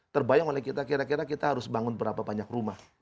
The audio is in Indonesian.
terbayang oleh kita kira kira kita harus bangun berapa banyak rumah